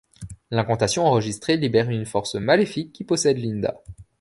L'incantation enregistrée libère une force maléfique qui possède Linda.